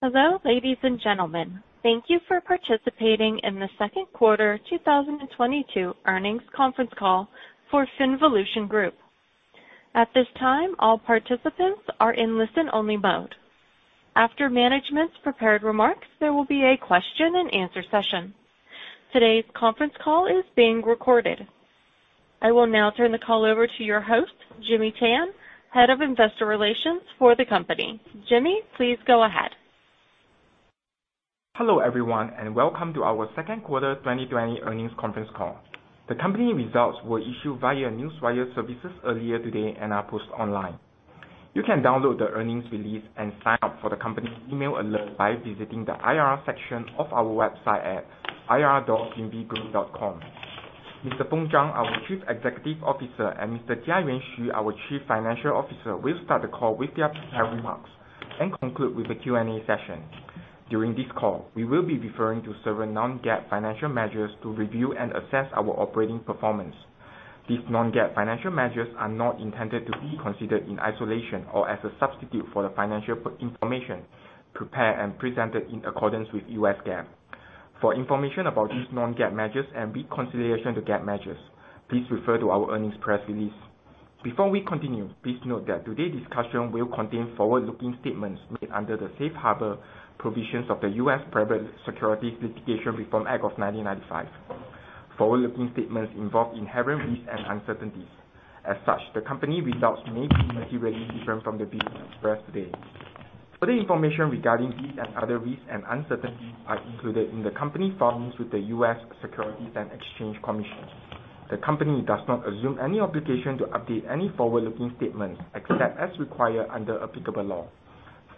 Hello, ladies and gentlemen. Thank you for participating in the second quarter 2022 earnings conference call for FinVolution Group. At this time, all participants are in listen-only mode. After management's prepared remarks, there will be a question-and-answer session. Today's conference call is being recorded. I will now turn the call over to your host, Jimmy Tan, Head of Investor Relations for the company. Jimmy, please go ahead. Hello, everyone, and welcome to our second quarter 2022 earnings conference call. The company results were issued via Newswire Services earlier today and are posted online. You can download the earnings release and sign up for the company's email alert by visiting the IR section of our website at ir.finvgroup.com. Mr. Feng Zhang, our Chief Executive Officer, and Mr. Jiayuan Xu, our Chief Financial Officer, will start the call with their prepared remarks, then conclude with the Q&A session. During this call, we will be referring to several non-GAAP financial measures to review and assess our operating performance. These non-GAAP financial measures are not intended to be considered in isolation or as a substitute for the financial information prepared and presented in accordance with U.S. GAAP. For information about these non-GAAP measures and reconciliation to GAAP measures, please refer to our earnings press release. Before we continue, please note that today's discussion will contain forward-looking statements made under the safe harbor provisions of the U.S. Private Securities Litigation Reform Act of 1995. Forward-looking statements involve inherent risks and uncertainties. As such, the company results may be materially different from the views expressed today. Further information regarding these and other risks and uncertainties are included in the company's filings with the U.S. Securities and Exchange Commission. The company does not assume any obligation to update any forward-looking statements except as required under applicable law.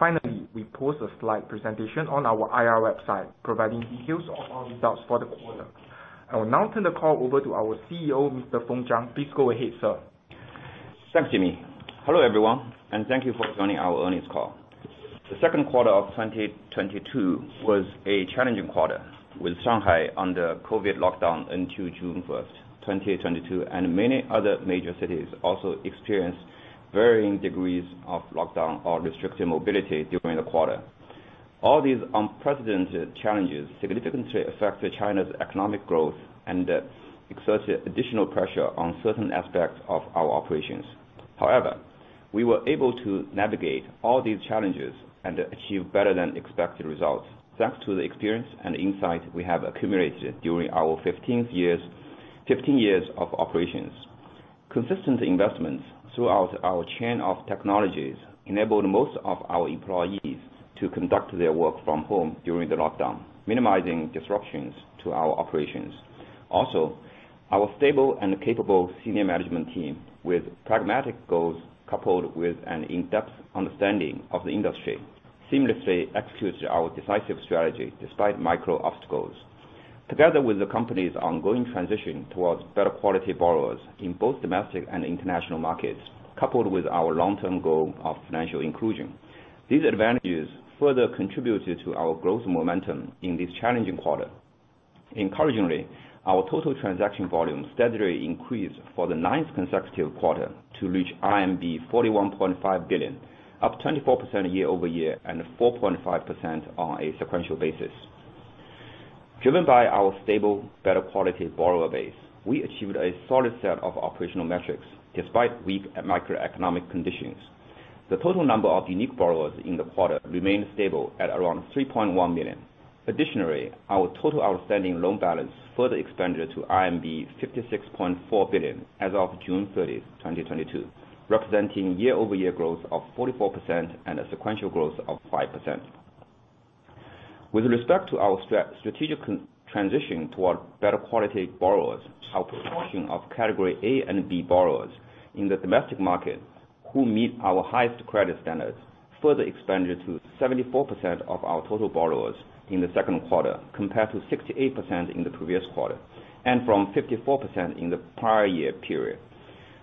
Finally, we post a slide presentation on our IR website, providing details of our results for the quarter. I will now turn the call over to our CEO, Mr. Feng Zhang. Please go ahead, sir. Thanks, Jimmy. Hello, everyone, and thank you for joining our earnings call. The second quarter of 2022 was a challenging quarter, with Shanghai under COVID lockdown until June 1, 2022, and many other major cities also experienced varying degrees of lockdown or restricted mobility during the quarter. All these unprecedented challenges significantly affected China's economic growth and exerted additional pressure on certain aspects of our operations. However, we were able to navigate all these challenges and achieve better than expected results. Thanks to the experience and insight we have accumulated during our 15 years of operations. Consistent investments throughout our chain of technologies enabled most of our employees to conduct their work from home during the lockdown, minimizing disruptions to our operations. Our stable and capable senior management team with pragmatic goals coupled with an in-depth understanding of the industry seamlessly executed our decisive strategy despite micro obstacles. Together with the company's ongoing transition towards better quality borrowers in both domestic and international markets, coupled with our long-term goal of financial inclusion, these advantages further contributed to our growth momentum in this challenging quarter. Encouragingly, our total transaction volume steadily increased for the ninth consecutive quarter to reach RMB 41.5 billion, up 24% year-over-year and 4.5% on a sequential basis. Driven by our stable, better quality borrower base, we achieved a solid set of operational metrics despite weak macroeconomic conditions. The total number of unique borrowers in the quarter remained stable at around 3.1 million. Additionally, our total outstanding loan balance further expanded to 56.4 billion as of June 30, 2022, representing year-over-year growth of 44% and a sequential growth of 5%. With respect to our strategic transition towards better quality borrowers, our portion of Category A and B borrowers in the domestic market who meet our highest credit standards further expanded to 74% of our total borrowers in the second quarter, compared to 68% in the previous quarter, and from 54% in the prior year period.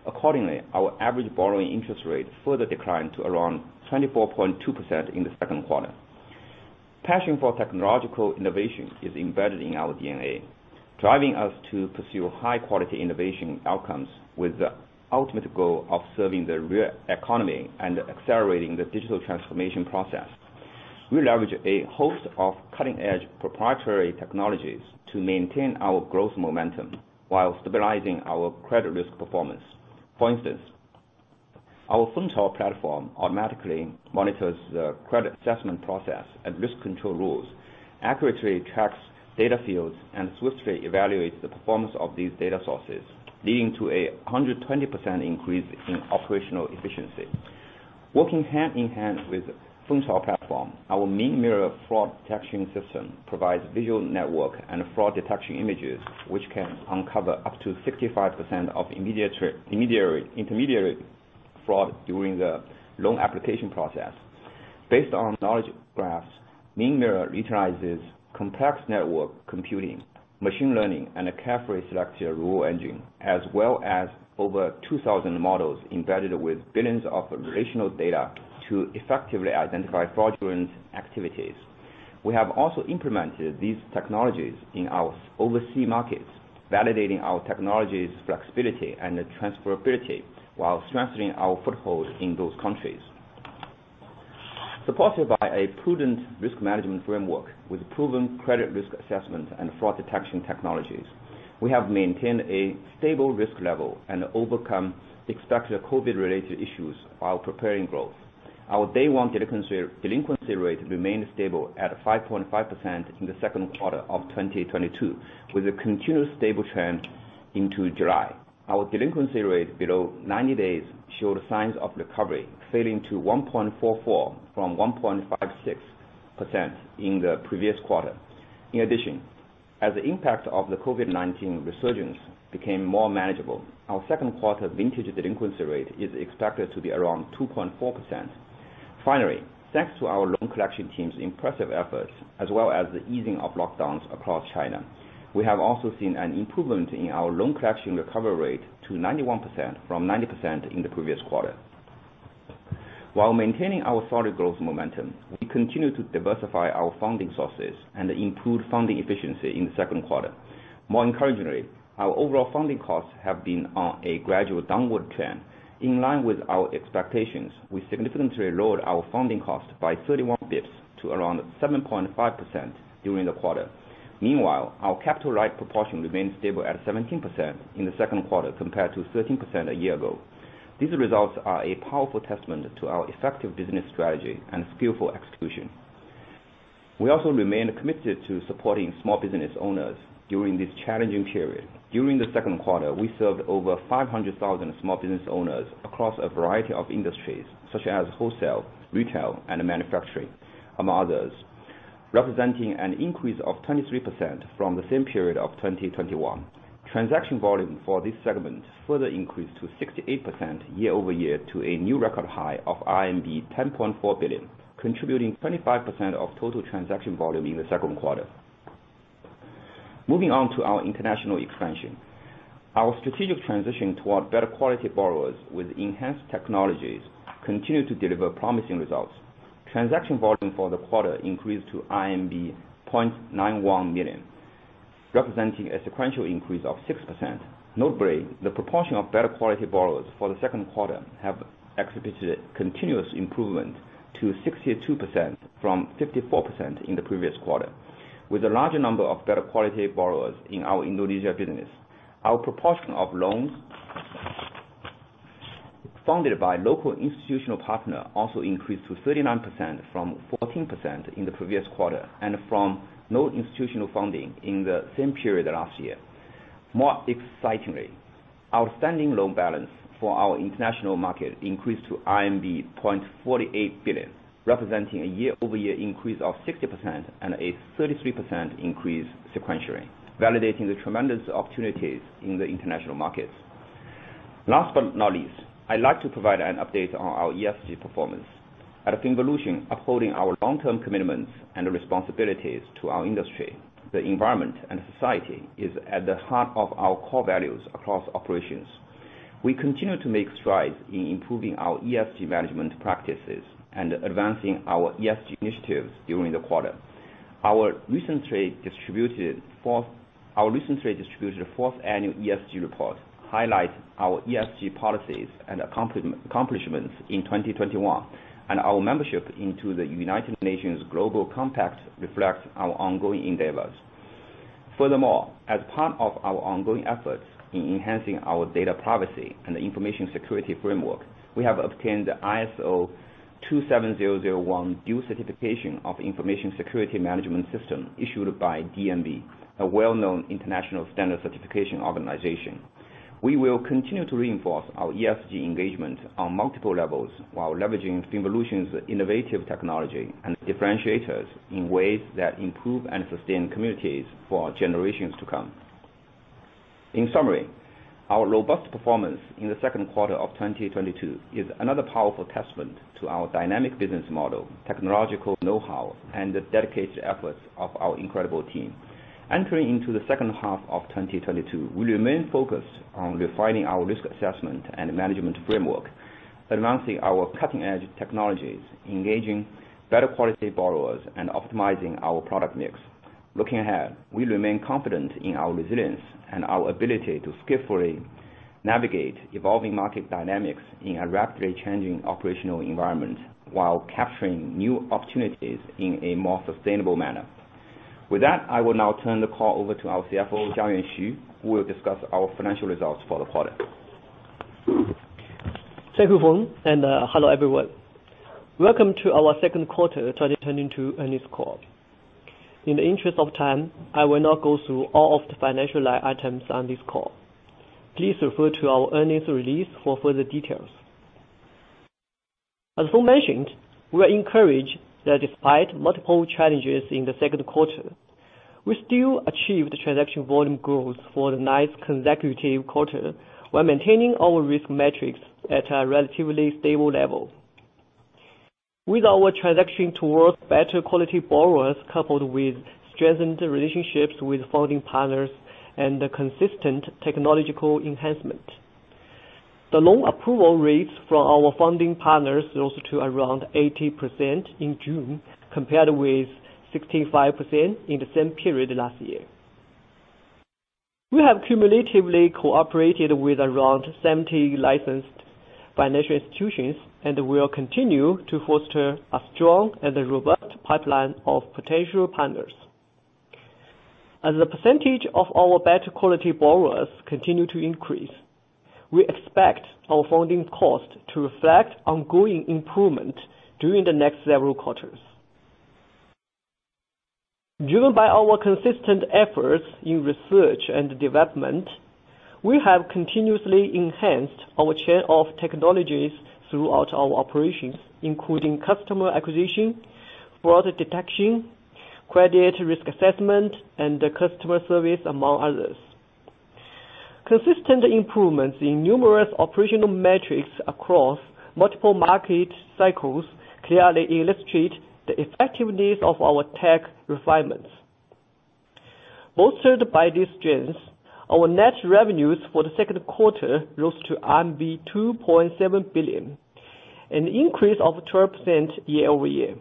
Accordingly, our average borrowing interest rate further declined to around 24.2% in the second quarter. Passion for technological innovation is embedded in our DNA, driving us to pursue high-quality innovation outcomes with the ultimate goal of serving the real economy and accelerating the digital transformation process. We leverage a host of cutting-edge proprietary technologies to maintain our growth momentum while stabilizing our credit risk performance. For instance, our Feng Chao platform automatically monitors the credit assessment process and risk control rules, accurately tracks data fields, and swiftly evaluates the performance of these data sources, leading to a 120% increase in operational efficiency. Working hand in hand with Feng Chao platform, our Ming Mirror fraud detection system provides visual network and fraud detection images, which can uncover up to 65% of intermediary fraud during the loan application process. Based on knowledge graphs, Ming Mirror utilizes complex network computing, machine learning, and a carefully selected rule engine, as well as over 2,000 models embedded with billions of relational data to effectively identify fraudulent activities. We have also implemented these technologies in our overseas markets, validating our technology's flexibility and the transferability, while strengthening our foothold in those countries. Supported by a prudent risk management framework with proven credit risk assessment and fraud detection technologies, we have maintained a stable risk level and overcome expected COVID-related issues while preparing growth. Our day one delinquency rate remained stable at 5.5% in the second quarter of 2022, with a continuous stable trend into July. Our delinquency rate below 90 days showed signs of recovery, falling to 1.44% from 1.56% in the previous quarter. In addition, as the impact of the COVID-19 resurgence became more manageable, our second quarter vintage delinquency rate is expected to be around 2.4%. Finally, thanks to our loan collection team's impressive efforts, as well as the easing of lockdowns across China, we have also seen an improvement in our loan collection recovery rate to 91% from 90% in the previous quarter. While maintaining our solid growth momentum, we continue to diversify our funding sources and improve funding efficiency in the second quarter. More encouragingly, our overall funding costs have been on a gradual downward trend. In line with our expectations, we significantly lowered our funding cost by 31 basis points to around 7.5% during the quarter. Meanwhile, our capital-light proportion remained stable at 17% in the second quarter, compared to 13% a year ago. These results are a powerful testament to our effective business strategy and skillful execution. We also remain committed to supporting small business owners during this challenging period. During the second quarter, we served over 500,000 small business owners across a variety of industries, such as wholesale, retail, and manufacturing, among others, representing an increase of 23% from the same period of 2021. Transaction volume for this segment further increased 68% year-over-year to a new record high of RMB 10.4 billion, contributing 25% of total transaction volume in the second quarter. Moving on to our international expansion. Our strategic transition toward better quality borrowers with enhanced technologies continue to deliver promising results. Transaction volume for the quarter increased to 91 million, representing a sequential increase of 6%. Notably, the proportion of better quality borrowers for the second quarter have executed continuous improvement to 62% from 54% in the previous quarter. With a larger number of better quality borrowers in our Indonesia business, our proportion of loans funded by local institutional partner also increased to 39% from 14% in the previous quarter, and from no institutional funding in the same period last year. More excitingly, outstanding loan balance for our international market increased to RMB 0.48 billion, representing a year-over-year increase of 60% and a 33% increase sequentially, validating the tremendous opportunities in the international markets. Last but not least, I'd like to provide an update on our ESG performance. At FinVolution, upholding our long-term commitments and responsibilities to our industry, the environment, and society is at the heart of our core values across operations. We continue to make strides in improving our ESG management practices and advancing our ESG initiatives during the quarter. Our recently distributed fourth annual ESG report highlights our ESG policies and accomplishments in 2021, and our membership into the United Nations Global Compact reflects our ongoing endeavors. Furthermore, as part of our ongoing efforts in enhancing our data privacy and information security framework, we have obtained the ISO 27001 certification of Information Security Management System issued by DNV, a well-known international standard certification organization. We will continue to reinforce our ESG engagement on multiple levels while leveraging FinVolution's innovative technology and differentiators in ways that improve and sustain communities for generations to come. In summary, our robust performance in the second quarter of 2022 is another powerful testament to our dynamic business model, technological know-how, and the dedicated efforts of our incredible team. Entering into the second half of 2022, we remain focused on refining our risk assessment and management framework, advancing our cutting-edge technologies, engaging better quality borrowers, and optimizing our product mix. Looking ahead, we remain confident in our resilience and our ability to skillfully navigate evolving market dynamics in a rapidly changing operational environment while capturing new opportunities in a more sustainable manner. With that, I will now turn the call over to our CFO, Jiayuan Xu, who will discuss our financial results for the quarter. Thank you, Feng, and hello, everyone. Welcome to our second quarter 2022 earnings call. In the interest of time, I will not go through all of the financial line items on this call. Please refer to our earnings release for further details. As Feng mentioned, we are encouraged that despite multiple challenges in the second quarter, we still achieved the transaction volume growth for the ninth consecutive quarter while maintaining our risk metrics at a relatively stable level. With our transition towards better quality borrowers, coupled with strengthened relationships with funding partners and the consistent technological enhancement. The loan approval rates for our funding partners rose to around 80% in June, compared with 65% in the same period last year. We have cumulatively cooperated with around 70 licensed financial institutions, and we will continue to foster a strong and a robust pipeline of potential partners. As the percentage of our better quality borrowers continue to increase, we expect our funding cost to reflect ongoing improvement during the next several quarters. Driven by our consistent efforts in research and development, we have continuously enhanced our chain of technologies throughout our operations, including customer acquisition, fraud detection, credit risk assessment, and customer service, among others. Consistent improvements in numerous operational metrics across multiple market cycles clearly illustrate the effectiveness of our tech refinements. Bolstered by this strength, our net revenues for the second quarter rose to RMB 2.7 billion, an increase of 12% year-over-year.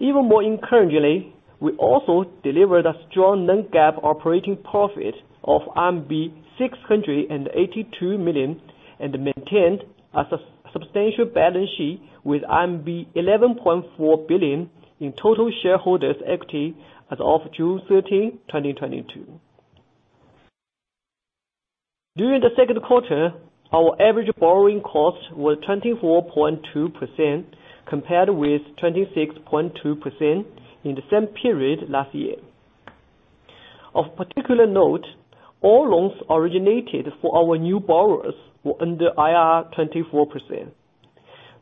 Even more encouragingly, we also delivered a strong non-GAAP operating profit of RMB 682 million, and maintained a substantial balance sheet with RMB 11.4 billion in total shareholders equity as of June 13, 2022. During the second quarter, our average borrowing cost was 24.2% compared with 26.2% in the same period last year. Of particular note, all loans originated for our new borrowers were under IRR 24%,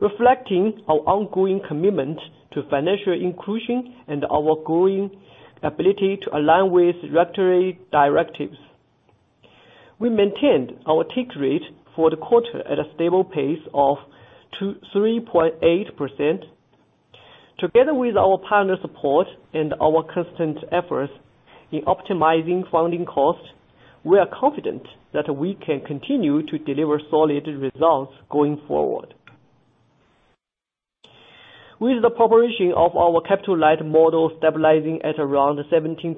reflecting our ongoing commitment to financial inclusion and our growing ability to align with regulatory directives. We maintained our take rate for the quarter at a stable pace of 3.8%. Together with our partner support and our constant efforts in optimizing funding costs, we are confident that we can continue to deliver solid results going forward. With the population of our capital-light model stabilizing at around 17%,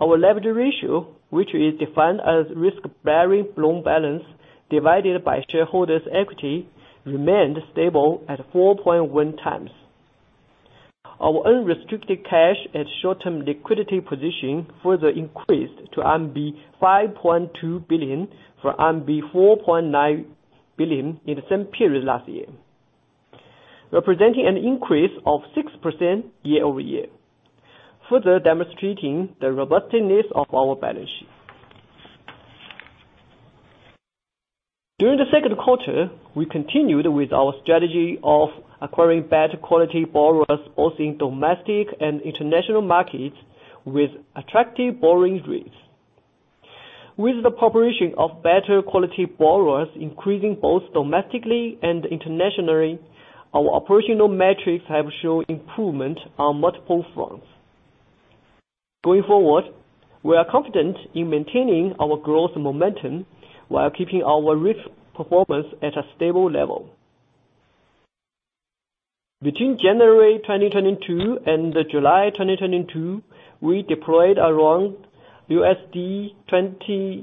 our leverage ratio, which is defined as risk-bearing loan balance divided by shareholders' equity, remained stable at 4.1x. Our unrestricted cash and short-term liquidity position further increased to RMB 5.2 billion from RMB 4.9 billion in the same period last year, representing an increase of 6% year-over-year, further demonstrating the robustness of our balance sheet. During the second quarter, we continued with our strategy of acquiring better quality borrowers, both in domestic and international markets, with attractive borrowing rates. With the population of better quality borrowers increasing both domestically and internationally, our operational metrics have shown improvement on multiple fronts. Going forward, we are confident in maintaining our growth momentum while keeping our risk performance at a stable level. Between January 2022 and July 2022, we deployed around $27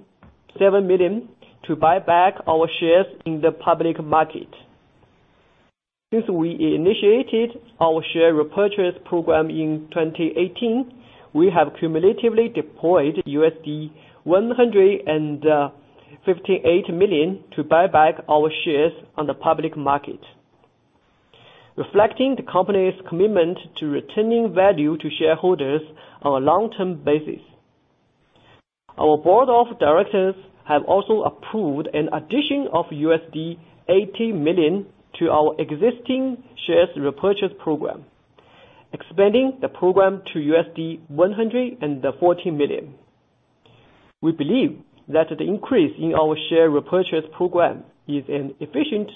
million to buy back our shares in the public market. Since we initiated our share repurchase program in 2018, we have cumulatively deployed $158 million to buy back our shares on the public market, reflecting the company's commitment to returning value to shareholders on a long-term basis. Our board of directors have also approved an addition of $80 million to our existing shares repurchase program, expanding the program to $140 million. We believe that the increase in our share repurchase program is an efficient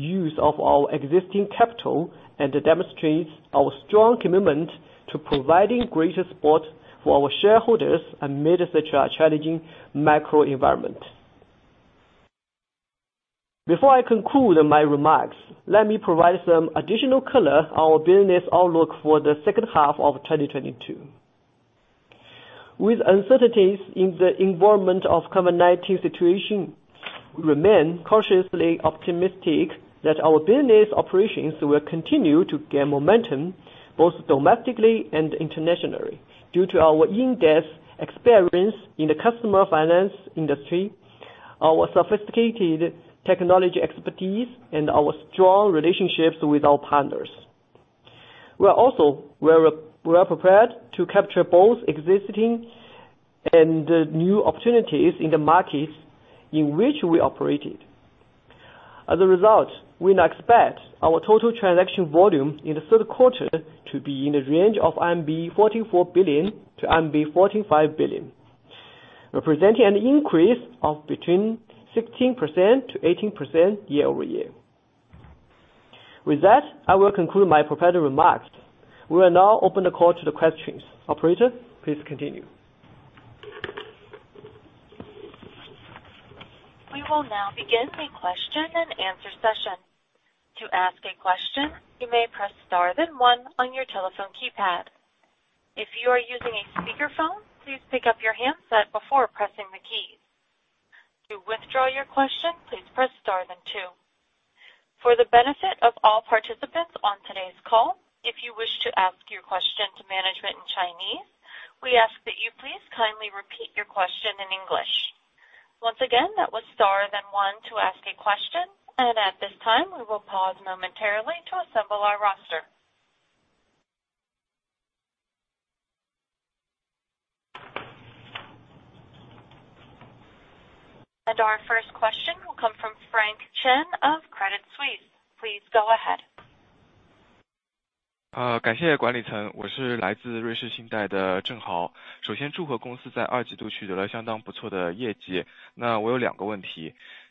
use of our existing capital, and it demonstrates our strong commitment to providing greater support for our shareholders amidst a challenging macro environment. Before I conclude my remarks, let me provide some additional color on our business outlook for the second half of 2022. With uncertainties in the environment of COVID-19 situation, we remain cautiously optimistic that our business operations will continue to gain momentum both domestically and internationally due to our in-depth experience in the customer finance industry, our sophisticated technology expertise, and our strong relationships with our partners. We are prepared to capture both existing and new opportunities in the markets in which we operated. As a result, we now expect our total transaction volume in the third quarter to be in the range of 44 billion-45 billion RMB, representing an increase of between 16%-18% year-over-year. With that, I will conclude my prepared remarks. We will now open the call to the questions. Operator, please continue. We will now begin a question and answer session. To ask a question, you may press star then one on your telephone keypad. If you are using a speakerphone, please pick up your handset before pressing the keys. To withdraw your question, please press star then two. For the benefit of all participants on today's call, if you wish to ask your question to management in Chinese, we ask that you please kindly repeat your question in English. Once again, that was star then one to ask a question. At this time we will pause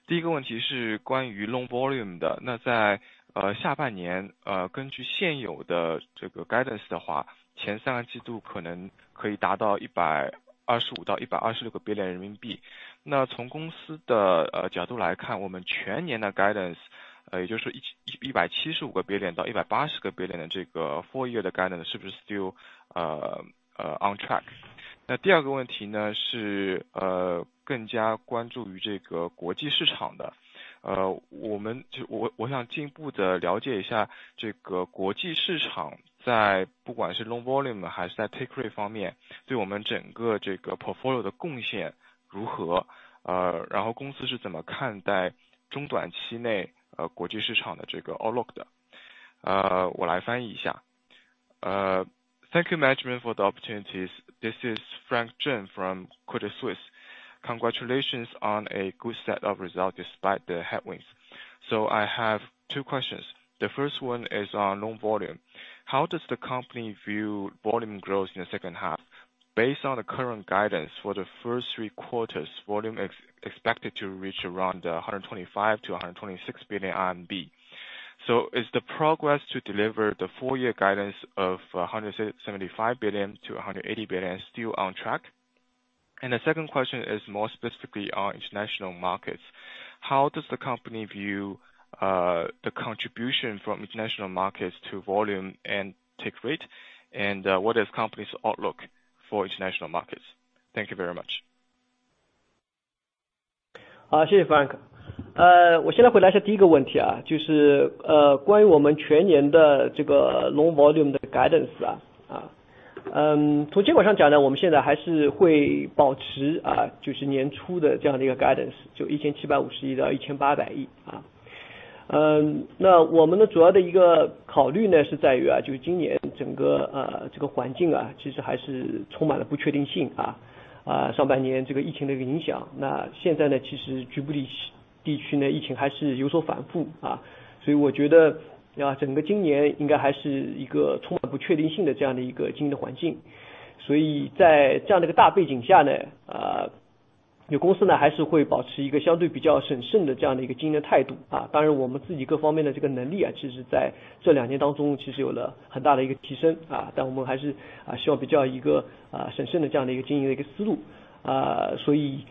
momentarily to assemble our roster. Our first question will come from Frank Chen of Credit Suisse. Please go ahead. Thank you, management, for the opportunity. This is Frank Chen from Credit Suisse. Congratulations on a good set of results despite the headwinds. I have two questions. The first one is on loan volume. How does the company view volume growth in the second half? Based on the current guidance for the first three quarters, volume is expected to reach around 125 billion-126 billion RMB RMB. Is the progress to deliver the full year guidance of 175 billion-180 billion RMB still on track? The second question is more specifically on international markets. How does the company view the contribution from international markets to volume and take rate? What is the company's outlook for international markets? Thank you very much. 好，谢谢 Frank。我现在回来一下第一个问题，就是关于我们全年的这个 loan volume 的 guidance。从结果上讲，我们现在还是会保持年初的这样的一个 guidance，就一千七百五十亿到一千八百亿。那我们的主要的一个考虑，是在于今年整个这个环境，其实还是充满了不确定性，上半年这个疫情的影响，那现在其实局部地区疫情还是有所反复，所以我觉得整个今年应该还是一个充满不确定性的这样的一个经营环境。所以在这样的一个大背景下，公司还是会保持一个相对比较审慎的这样的一个经营态度。当然我们自己各方面的这个能力，其实在这两年当中其实有了很大的一个提升，但我们还是希望比较审慎的这样的一个经营的思路。所以后面几个季度，从目前情况来看，如果没有什么特别大的一些意外的情况，我们还是继续会保持一个非常健康的高质量的一个增长。所以我们对于维持年初这样的一个经营目标，我们还是非常有信心。OK,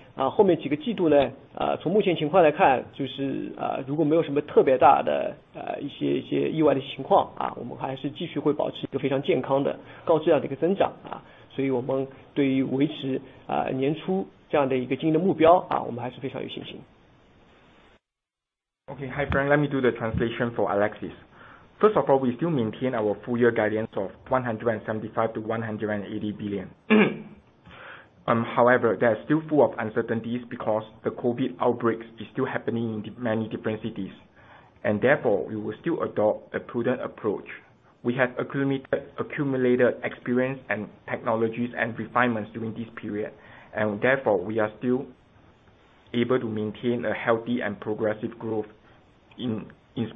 hi Frank, let me do the translation for Alexis. First of all, we still maintain our full year guidance of 175 billion-180 billion. However, there are still full of uncertainties because the COVID outbreak is still happening in many different cities, and therefore we will still adopt a prudent approach. We have accumulated experience and technologies and refinements during this period, and therefore we are still able to maintain a healthy and progressive growth in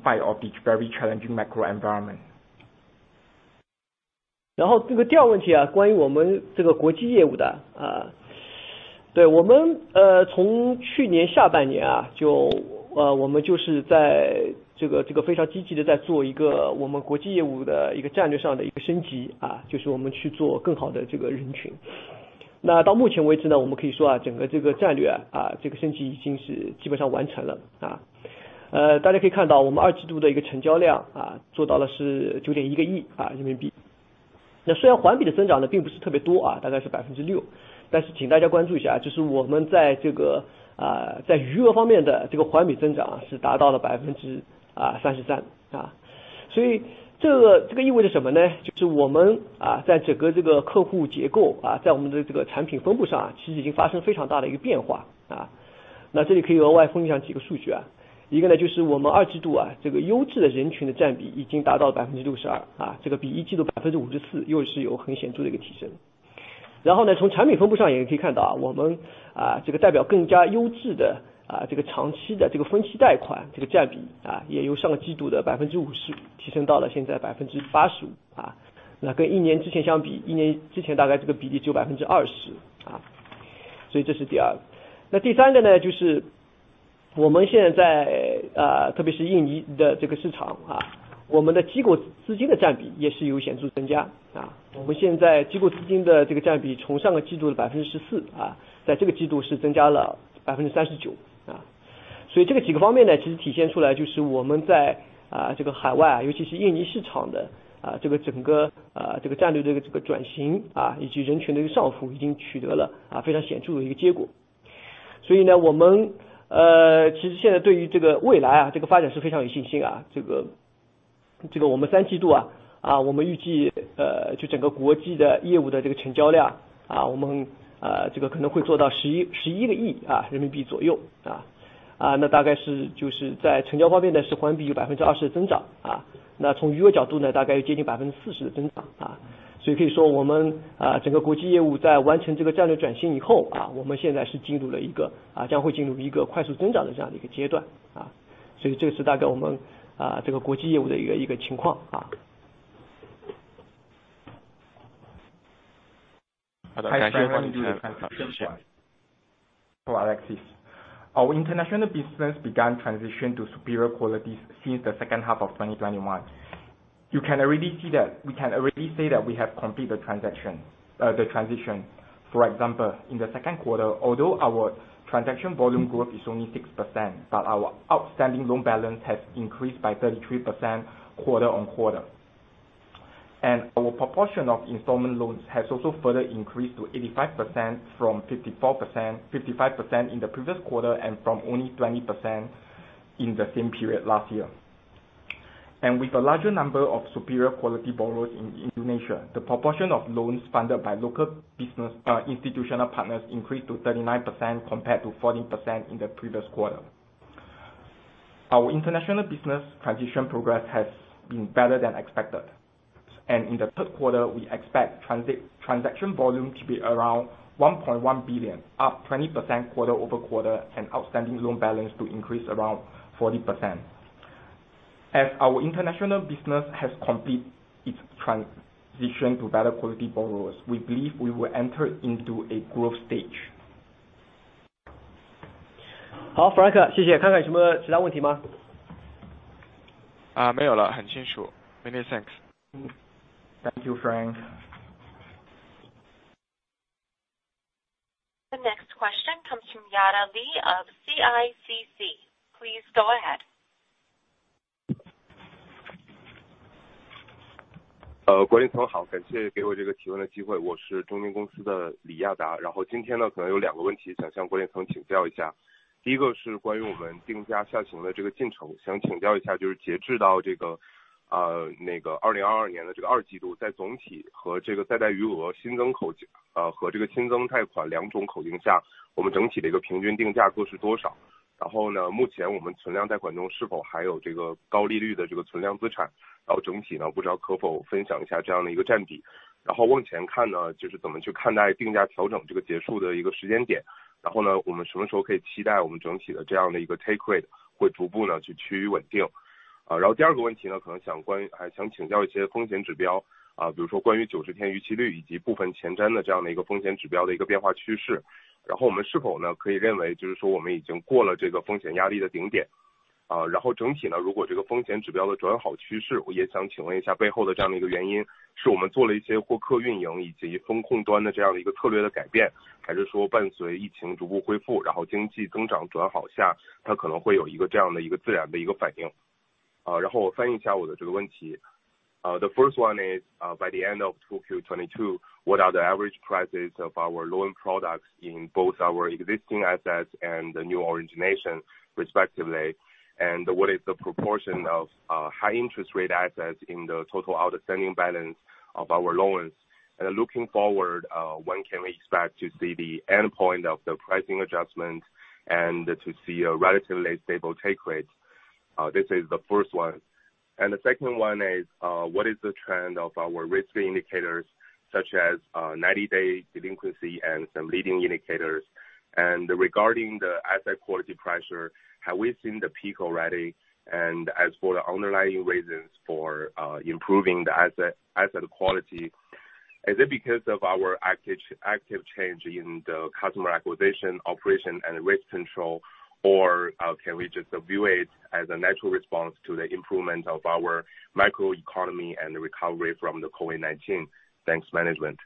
spite of this very challenging macro environment. 然后这个第二问题，关于我们这个国际业务的。对，我们从去年下半年，就我们在这个非常积极地在做一个我们国际业务的战略上的升级，就是我们去做更好的这个人群。那到目前为止，我们可以说整个这个战略升级已经是基本上完成了。大家可以看到我们二季度的一个成交量，做到了是9.1亿人民币。那虽然环比的增长并不是特别多，大概是6%，但是请大家关注一下，就是我们在余额方面的这个环比增长是达到了33%。所以这个意味着什么呢？就是我们在整个这个客户结构，在我们的这个产品分布上，其实已经发生非常大的一个变化。那这里可以额外分享几个数据，一个呢就是我们二季度，这个优质的人群的占比已经达到了62%，这个比一季度54%又是有很显著的一个提升。然后，从产品分布上也可以看到，我们这个代表更加优质的，这个长期的这个分期贷款这个占比，也由上个季度的50%提升到了现在85%，那跟一年之前相比，一年之前大概这个比例只有20%。所以这是第二。那第三个，就是我们现在，特别是印尼的这个市场，我们的机构资金的占比也是有显著增加。我们现在机构资金的这个占比从上个季度的14%，在这个季度是增加了39%。所以这个几个方面，其实体现出来就是我们在海外，尤其是印尼市场的，整个这个战略，这个转型，以及人群的这个上浮已经取得了非常显著的一个结果。所以我们其实现在对于这个未来的发展是非常有信心。这个我们三季度，我们预计就整个国际的业务的这个成交量，我们这个可能会做到11亿人民币左右。那大概是就是在成交方面是环比有20%的增长。那从余额角度，大概有接近40%的增长。所以可以说我们整个国际业务在完成这个战略转型以后，我们现在是进入了一个，将会进入一个快速增长的这样的一个阶段。所以这是大概我们这个国际业务的一个情况。好，Frank，谢谢。看看有什么其他问题吗？ 没有了，很清楚。Many thanks. Thank you, Frank. The first one is, by the end of Q2 2022, what are the average prices of our loan products in both our existing assets and the new originations respectively, and what is the proportion of high interest rate assets in the total outstanding balance of our loans? Looking forward, when can we expect to see the endpoint of the pricing adjustments and to see a relatively stable take rate? This is the first one. The second one is what is the trend of our risk indicators such as 90-day delinquency and some leading indicators? Regarding the asset quality pressure, have we seen the peak already? As for the underlying reasons for improving the asset quality, is it because of our active change in the customer acquisition, operation and risk control? Or can we just view it as a natural response to the improvement of our macro economy and recovery from the COVID-19? Thanks, management.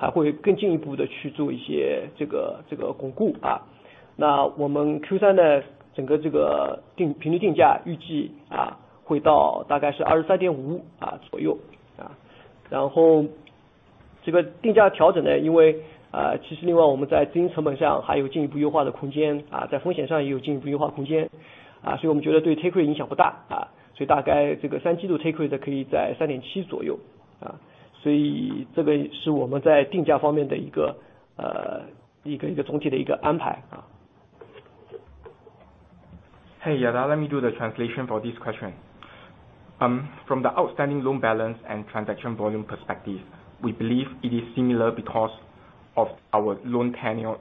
rate影响不大，大概这个三季度take rate可以在3.7%左右，所以这个是我们在定价方面的一个总体的安排。Hey, Yada, let me do the translation for this question. From the outstanding loan balance and transaction volume perspective, we believe it is similar because our loan tenure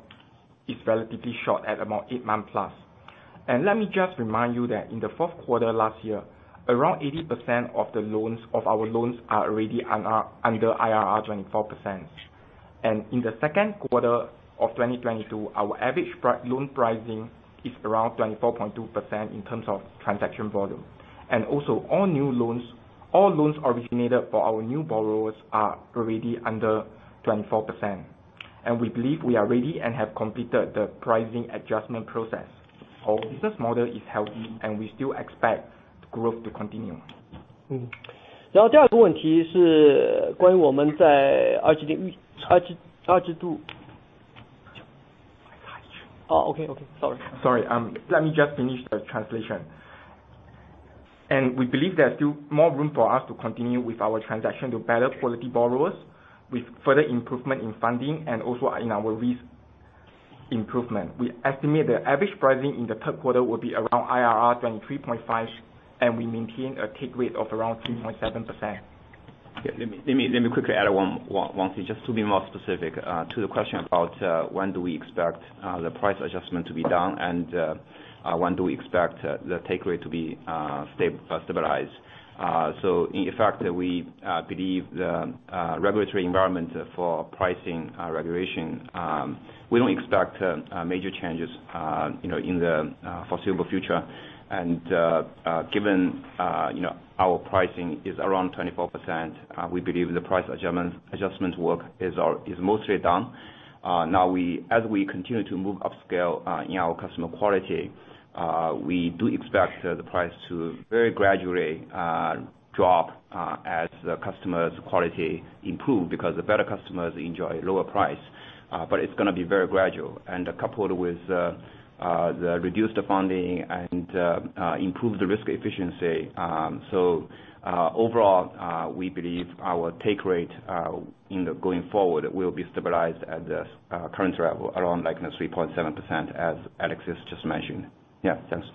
is relatively short at about 8 months plus. Let me just remind you that in the fourth quarter last year, around 80% of our loans are already under IRR 24%. In the second quarter of 2022, our average loan pricing is around 24.2% in terms of transaction volume. Also all new loans, all loans originated for our new borrowers are already under 24%. We believe we are ready and have completed the pricing adjustment process. Our business model is healthy and we still expect growth to continue. 第二个问题是关于我们在2021年二季度。哦，OK，OK，sorry。Sorry, let me just finish the translation. We believe there are still more room for us to continue with our transaction to better quality borrowers with further improvement in funding and also in our risk improvement. We estimate the average pricing in the third quarter will be around IRR 23.5, and we maintain a take rate of around 3.7%. Let me quickly add one thing just to be more specific to the question about when do we expect the price adjustment to be done and when do we expect the take rate to be stable. In fact we believe the regulatory environment for pricing regulation. We don't expect major changes, you know, in the foreseeable future. Given, you know, our pricing is around 24%, we believe the price adjustment work is mostly done. Now, as we continue to move upscale in our customer quality, we do expect the price to very gradually drop, as the customers quality improve, because the better customers enjoy lower price, but it's gonna be very gradual. Coupled with the reduced funding and improve the risk efficiency. Overall, we believe our take rate going forward will be stabilized at the current level around like 3.7%, as Alex just mentioned. Yeah, thanks.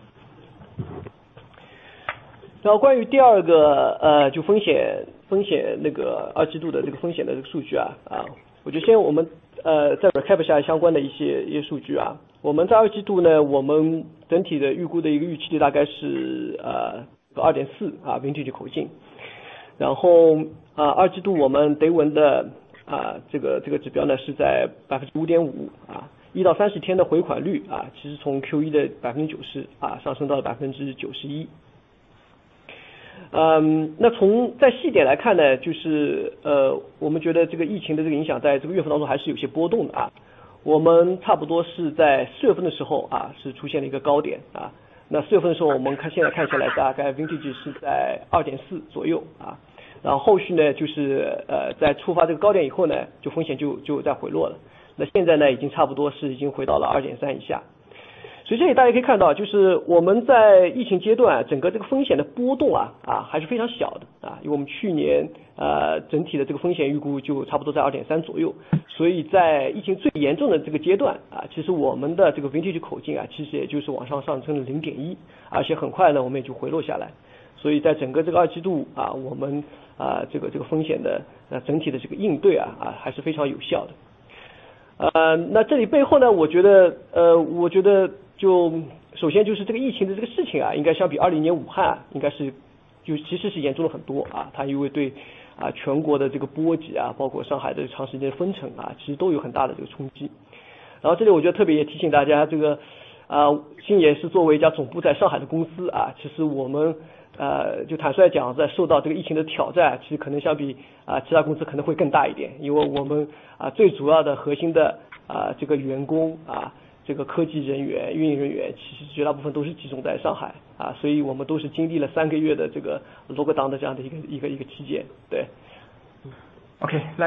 Okay, let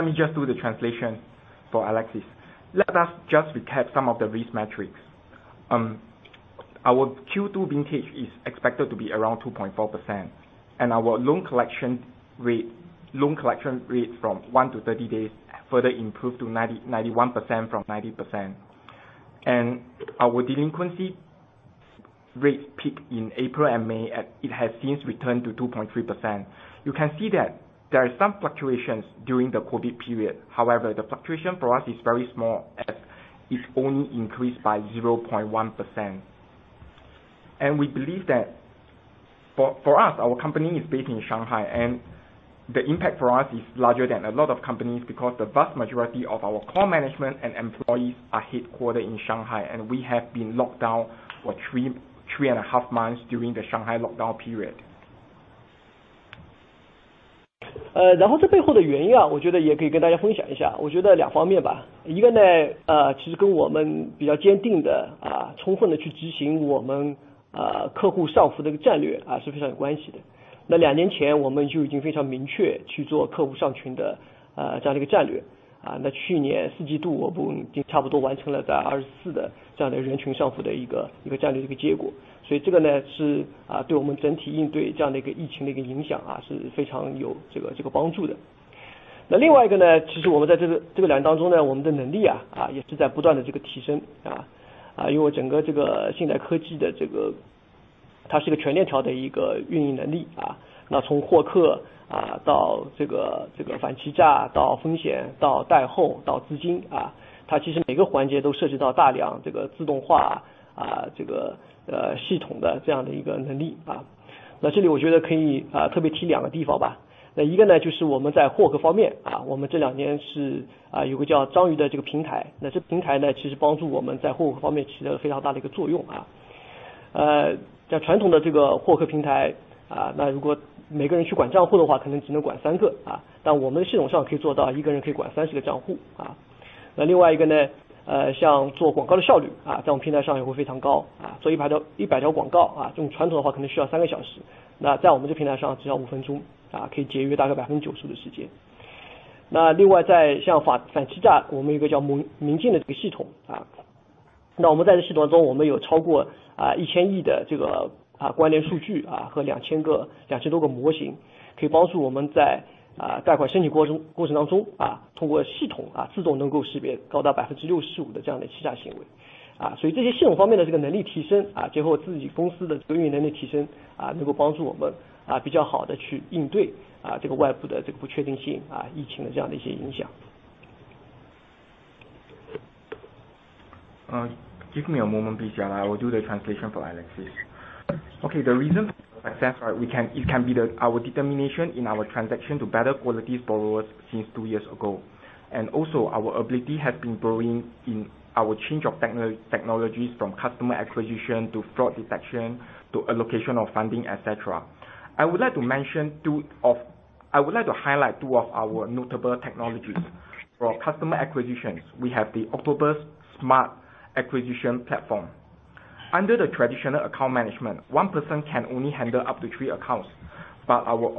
me just do the translation for Jiayuan Xu. Let us just recap some of these metrics. Our Q2 vintage is expected to be around 2.4%, and our loan collection rate from 1 to 30 days further improved to 91% from 90%. Our delinquency rate peaked in April and May, and it has since returned to 2.3%. You can see that there are some fluctuations during the COVID period. However, the fluctuation for us is very small as it's only increased by 0.1%. We believe that for us, our company is based in Shanghai, and the impact for us is larger than a lot of companies, because the vast majority of our core management and employees are headquartered in Shanghai, and we have been locked down for three and a half months during the Shanghai lockdown period. Give me a moment, please. I will do the translation for Jiayuan Xu. Okay, the reason for success is our determination in our transactions to better quality borrowers since two years ago. Also, our ability has been growing in our change of technologies from customer acquisition to fraud detection, to allocation of funding, etc. I would like to highlight two of our notable technologies. For customer acquisitions, we have the Octopus smart acquisition platform. Under the traditional account management, one person can only handle up to 3 accounts, but our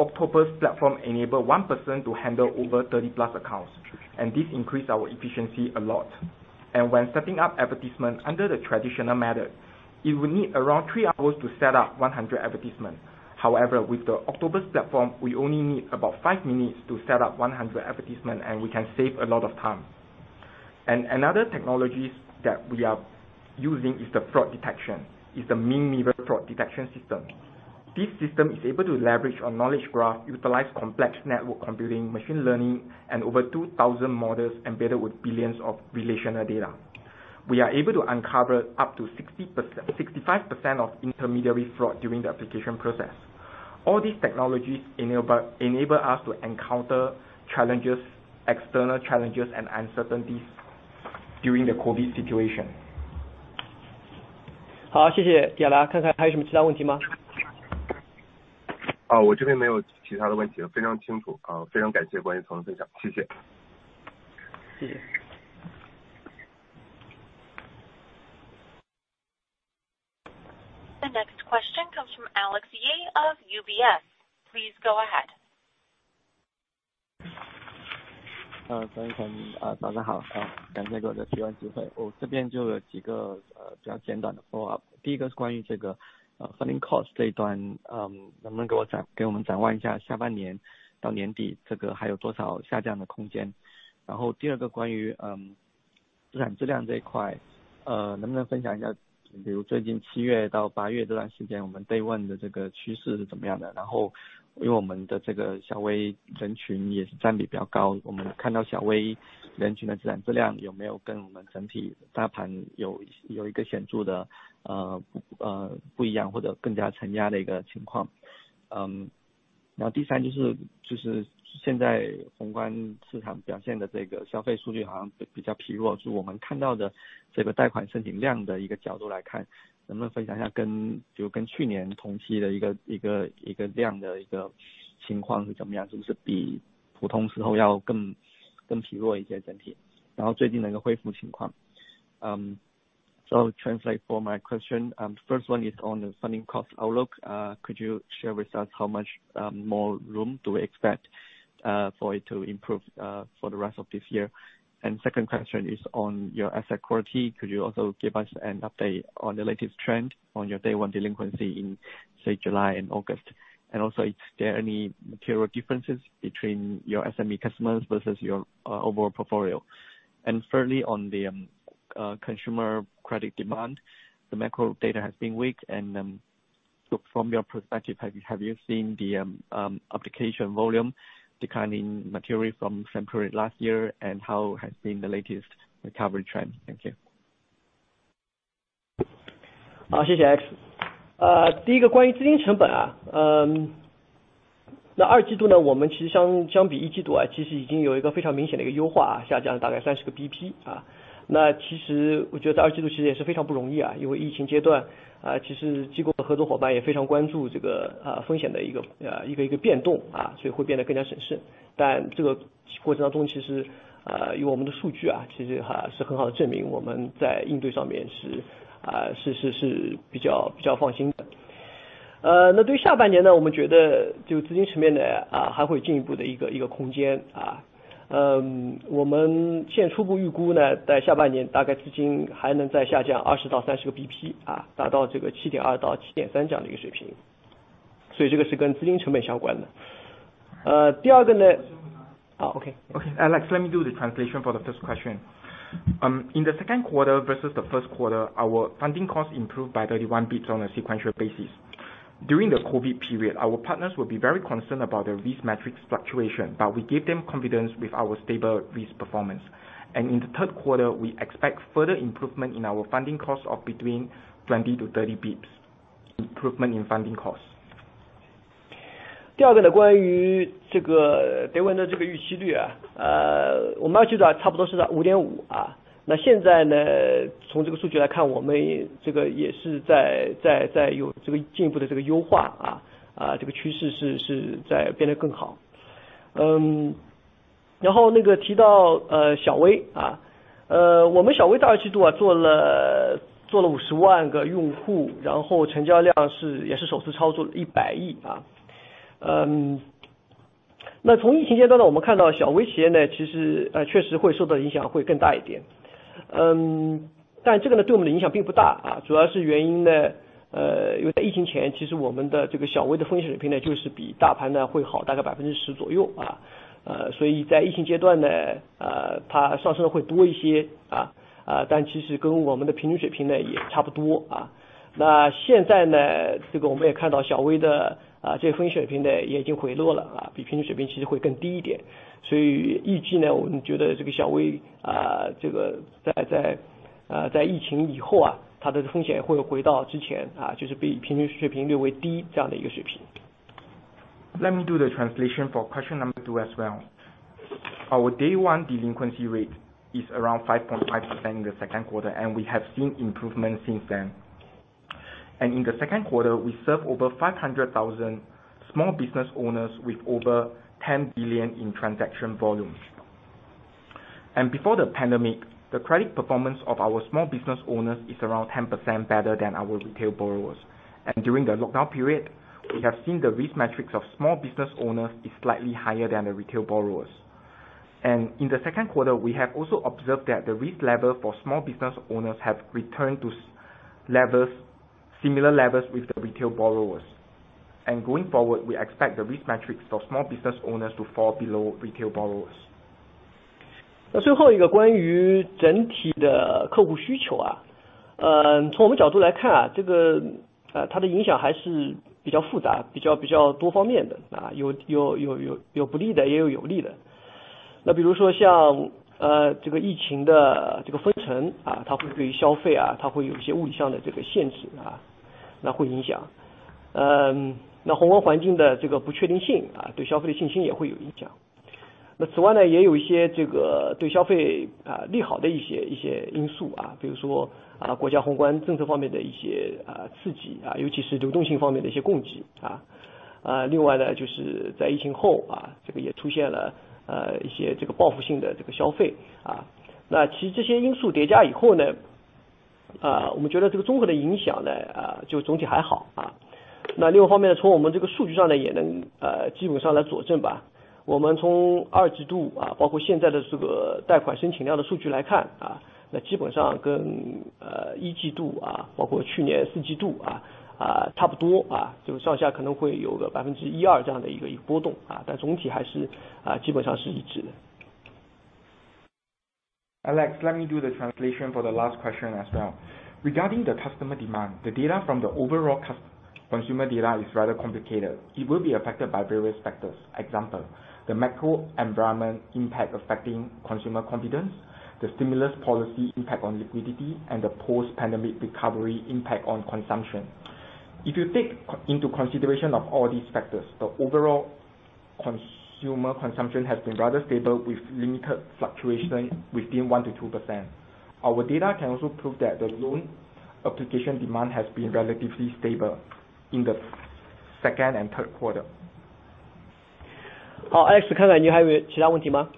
Octopus platform enable one person to handle over 30+ accounts, and this increase our efficiency a lot. When setting up advertisement under the traditional method, it will need around 3 hours to set up 100 advertisements. However, with the Octopus platform, we only need about 5 minutes to set up 100 advertisement and we can save a lot of time. Another technologies that we are using is the fraud detection, is the Ming Mirror fraud detection system. This system is able to leverage a knowledge graph, utilize complex network computing, machine learning, and over 2,000 models embedded with billions of relational data. We are able to uncover up to 65% of intermediary fraud during the application process. All these technologies enable us to encounter external challenges and uncertainties during the COVID situation. 好，谢谢。看看还有什么其他问题吗？ 我这边没有其他的问题了，非常清楚。非常感谢关于层分享，谢谢。谢谢。The next question comes from Alex Ye of UBS. Please go ahead. 陈一川，早上好。感谢给我这个提问机会。我这边就有几个比较简短的 follow up。第一个是关于这个 funding cost 这一端，能不能给我们展望一下下半年到年底这个还有多少下降的空间。然后第二个关于资产质量这一块，能不能分享一下，比如最近七月到八月这段时间我们 default To translate my question. First one is on the funding cost outlook. Could you share with us how much more room do we expect for it to improve for the rest of this year? Second question is on your asset quality. Could you also give us an update on the latest trend on your day one delinquency in say July and August? Also, is there any material differences between your SME customers versus your overall portfolio? Thirdly, on the consumer credit demand, the macro data has been weak and so from your perspective, have you seen the application volume declining materially from same period last year? How has been the latest recovery trend? Thank you. 好，谢谢 Alex。第一个关于资金成本，那二季度呢，我们其实相比一季度，其实已经有一个非常明显的优化，下降了大概三十个 BP，达到这个七点二到七点三这样的一个水平。所以这个是跟资金成本相关的。第二个呢——哦，OK。Alex Ye, let me do the translation for the first question. In the second quarter versus the first quarter, our funding cost improved by 31 basis points on a sequential basis. During the COVID period, our partners will be very concerned about the risk matrix fluctuation, but we give them confidence with our stable risk performance. In the third quarter, we expect further improvement in our funding cost of between 20-30 basis points. 第二个，关于这个day Let me do the translation for question number two as well. Our day one delinquency rate is around 5.5% in the second quarter, and we have seen improvement since then. In the second quarter, we serve over 500,000 small business owners with over 10 billion in transaction volume. Before the pandemic, the credit performance of our small business owners is around 10% better than our retail borrowers. During the lockdown period, we have seen the risk metrics of small business owners is slightly higher than the retail borrowers. In the second quarter, we have also observed that the risk level for small business owners have returned to similar levels with the retail borrowers. Going forward, we expect the risk metrics for small business owners to fall below retail borrowers. Alex, let me do the translation for the last question as well. Regarding the customer demand, the data from the overall consumer data is rather complicated. It will be affected by various factors. Example, the macro environment impact affecting consumer confidence, the stimulus policy impact on liquidity, and the post-pandemic recovery impact on consumption. If you take into consideration of all these factors, the overall consumer consumption has been rather stable with limited fluctuation within 1%-2%. Our data can also prove that the loan application demand has been relatively stable in the second and third quarter. 好，Alex，看看你还有其他问题吗？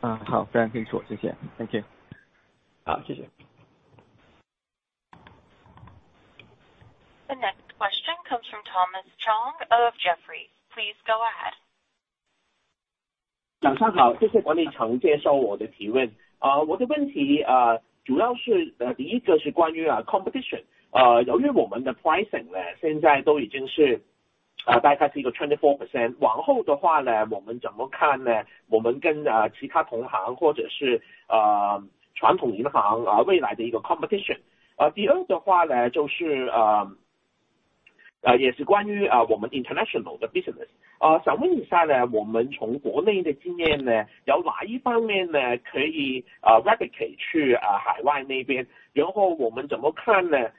好，非常清楚。谢谢。Thank you. 好，谢谢。The next question comes from Thomas Chong of Jefferies. Please go ahead. 早上好，谢谢管理层接受我的提问。我的问题主要是，第一个是关于competition，由于我们的pricing现在都已经是大概twenty-four percent，往后的话我们怎么看，我们跟其他同行或者是传统银行，未来的一个competition。第二的话就是，也是关于我们international的business，想问一下我们从国内的经验，有哪一方面可以replicate去海外那边，然后我们怎么看，海外跟domestic两个方面的consumer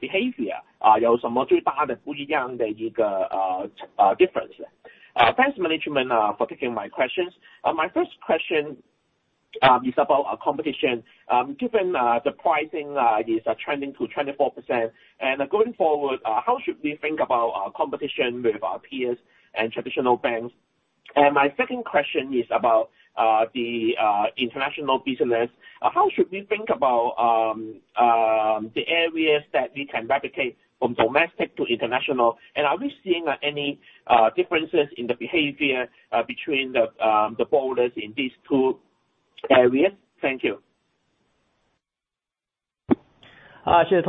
behavior，有什么最大的不一样的一个difference。Thanks management for taking my questions. My first question is about our competition. Given the pricing is trending to 24% and going forward, how should we think about our competition with our peers and traditional banks? My second question is about the international business. How should we think about the areas that we can replicate from domestic to international? Are we seeing any differences in the behavior between the borders in these two areas? Thank you. 谢谢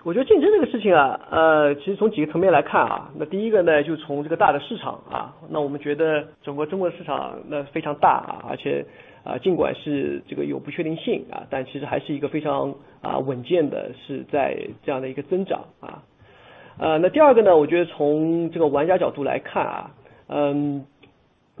Thomas。我先来回答一下第一个问题，关于竞争的这个问题。我觉得竞争这个事情，其实从几个层面来看，那第一个呢，就从这个大的市场，那我们觉得整个中国市场呢，非常大，而且，尽管是这个有不确定性，但其实还是一个非常稳健的在这样的一个增长。那第二个呢，我觉得从这个玩家角度来看，那虽然说我们这个定价是往下去调了，但我觉得这里其实跟传统金融机构，大家还是在不同的这个 sector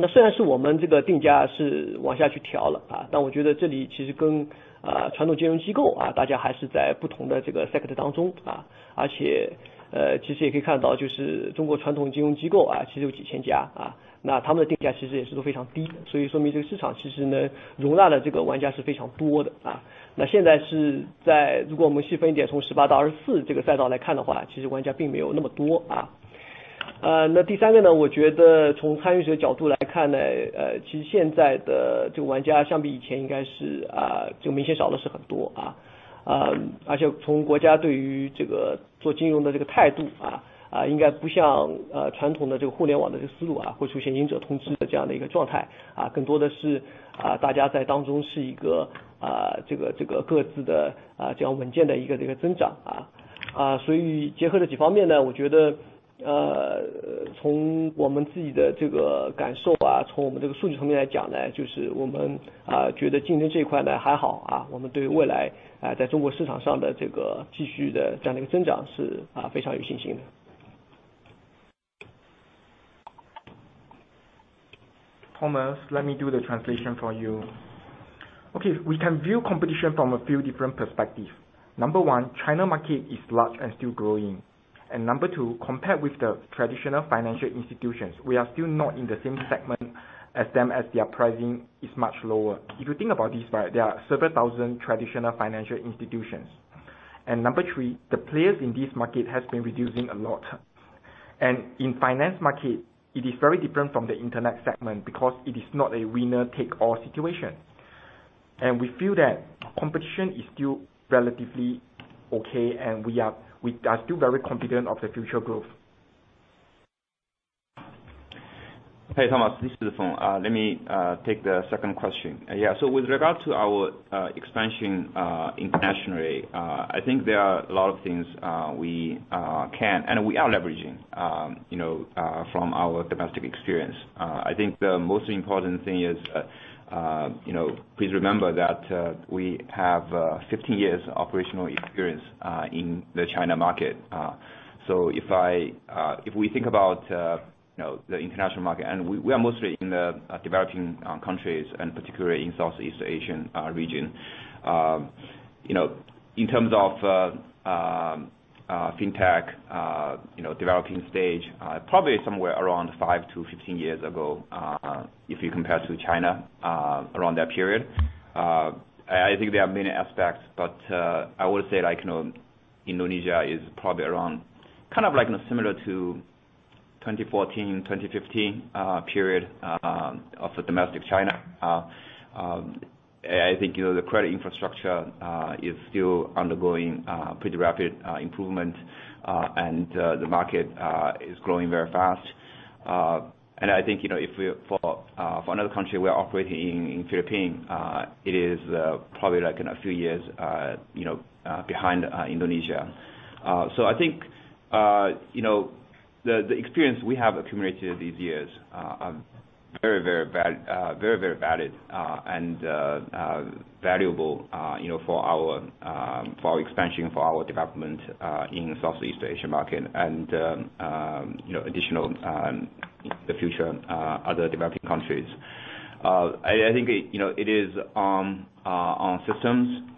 Thomas, let me do the translation for you. Okay, we can view competition from a few different perspectives. Number one, China market is large and still growing. Number two, compared with the traditional financial institutions, we are still not in the same segment as them as their pricing is much lower. If you think about this, right, there are several thousand traditional financial institutions. Number three, the players in this market has been reducing a lot. In finance market, it is very different from the Internet segment because it is not a winner take all situation. We feel that competition is still relatively okay and we are still very confident of the future growth. Hey, Thomas Chong, this is Feng Zhang. Let me take the second question. Yeah. With regard to our expansion internationally, I think there are a lot of things we can and we are leveraging, you know, from our domestic experience. I think the most important thing is, you know, please remember that, we have 15 years operational experience in the China market. So if I, if we think about, you know, the international market and we are mostly in the developing countries and particularly in Southeast Asian region. You know, in terms of, fintech, you know, developing stage, probably somewhere around five to 15 years ago, if you compare to China, around that period. I think there are many aspects, but, I would say like, you know, Indonesia is probably around kind of like similar to 2014, 2015, period, of the domestic China. Um, I think, you know, the credit infrastructure is still undergoing pretty rapid improvement, and the market is growing very fast. And I think, you know, if we for another country, we are operating in Philippines, it is probably like in a few years, you know, behind Indonesia. So I think, you know, the experience we have accumulated these years are very valid and valuable, you know, for our, expansion, for our development, in Southeast Asia market and, you know, additional, the future, other developing countries. I think, you know, it is on systems,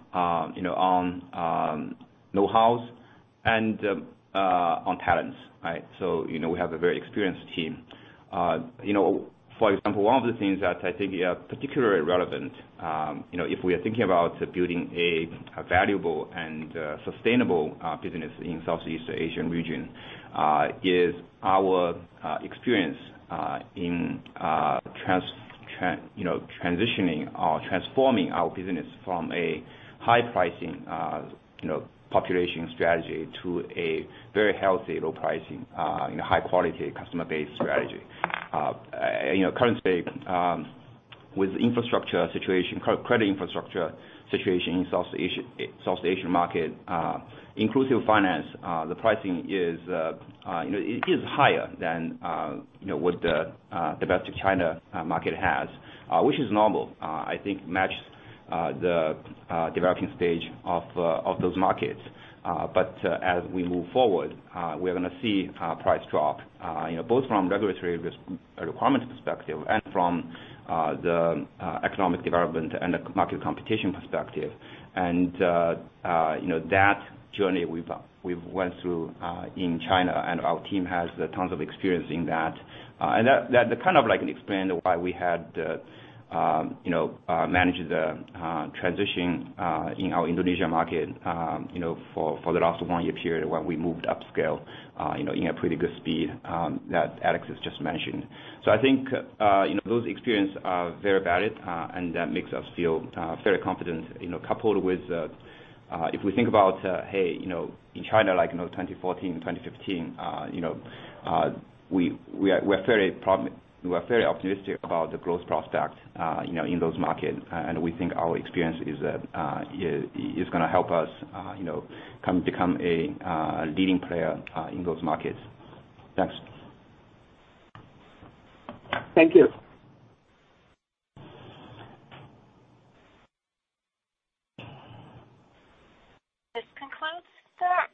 you know, on, know-hows and, on talents, right? You know, we have a very experienced team. You know, for example, one of the things that I think are particularly relevant, you know, if we are thinking about building a valuable and sustainable business in Southeast Asian region, is our experience in transitioning or transforming our business from a high pricing you know, population strategy to a very healthy low pricing you know, high quality customer-based strategy. You know, currently, with infrastructure situation, credit infrastructure situation in South Asian market, inclusive finance, the pricing is, you know, it is higher than, you know, what the best of China market has, which is normal. I think matches the developing stage of those markets. As we move forward, we're gonna see price drop, you know, both from regulatory requirement perspective and from the economic development and the market competition perspective. You know, that journey we've went through in China and our team has tons of experience in that. That kind of like explain why we had managed the transition in our Indonesia market, you know, for the last one year period when we moved upscale, you know, in a pretty good speed that Alex has just mentioned. I think, you know, those experience are very valid, and that makes us feel very confident, you know, coupled with, if we think about, hey, you know, in China, like, you know, 2014 and 2015, you know, we're very optimistic about the growth prospect, you know, in those markets. We think our experience is gonna help us, you know, become a leading player in those markets. Thanks. Thank you. This concludes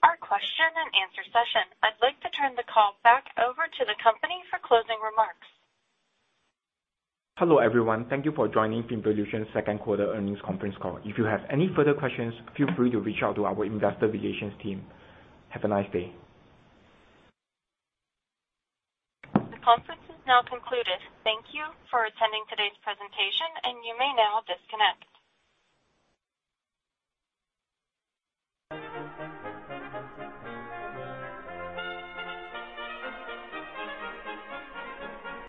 our question and answer session. I'd like to turn the call back over to the company for closing remarks. Hello, everyone. Thank you for joining FinVolution Group second quarter earnings conference call. If you have any further questions, feel free to reach out to our investor relations team. Have a nice day. The conference is now concluded. Thank you for attending today's presentation, and you may now disconnect.